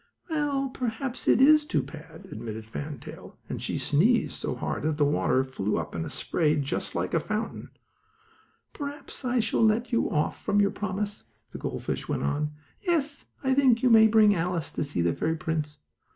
"Well, perhaps it is too bad," admitted Fan Tail, and she sneezed so hard that the water flew up in a spray, just like a fountain. "Perhaps I shall let you off from your promise," the gold fish went on. "Yes, I think you may bring Alice to see the fairy prince."